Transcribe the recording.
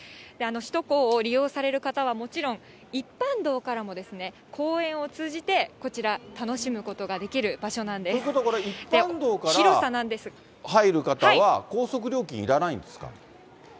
首都高を利用される方はもちろん、一般道からも公園を通じて、こちら、ということはこれ、一般道から入る方は、高速料金いらないんですか？